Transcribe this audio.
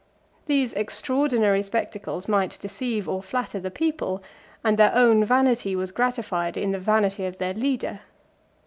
401 These extraordinary spectacles might deceive or flatter the people; and their own vanity was gratified in the vanity of their leader.